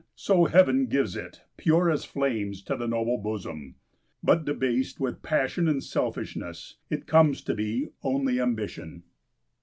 so heaven gives it pure as flames to the noble bosom. But debased with passion and selfishness it comes to be only Ambition!